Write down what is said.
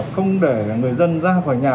không để người dân ra khỏi nhà